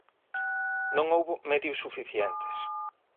Non houbo medios suficientes.